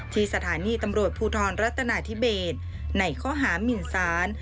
ที่สถานีตำรวจภูทรรัฐนาธิเบสในข้อหามินสาร